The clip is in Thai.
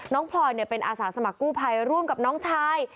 น้องพลอยเนี่ยเป็นอาสารสมัครกูภัยร่วมกับน้องชาย